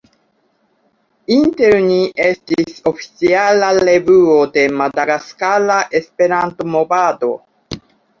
Inter Ni estis oficiala revuo de madagaskara Esperanto-movado.